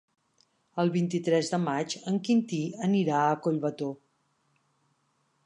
El vint-i-tres de maig en Quintí anirà a Collbató.